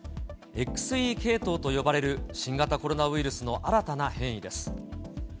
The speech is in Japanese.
ＸＥ系統と呼ばれる新型コロナウイルスの新たな変異です。